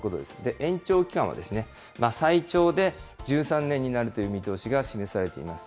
延長期間は最長で１３年になるという見通しが示されています。